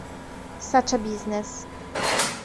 Such a Business